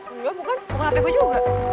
engga bukan bukan hp gue juga